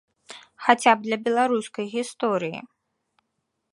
Хаця б для беларускай гісторыі.